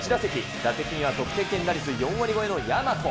打席には得点圏打率４割超えの大和。